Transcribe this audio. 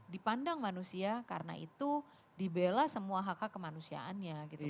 dipandang manusia karena itu dibela semua hak hak kemanusiaannya gitu pak gus dur